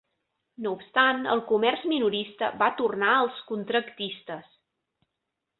No obstant, el comerç minorista va tornar als contractistes.